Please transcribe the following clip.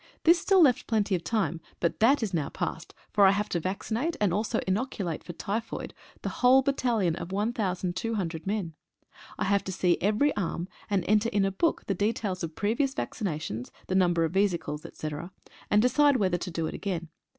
This still left plenty of time, but that is now past, for I have to vaccinate, and also inoculate for typhoid, the whole battalion of 1,200 men. I have to see every arm, and enter in a book the details of previous vaccinations, the number of vesicles, &c., and decide whether to do it again.